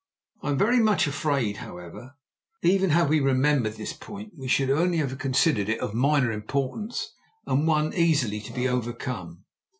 I'm very much afraid, however, even had we remembered this point, we should only have considered it of minor importance and one to be easily overcome.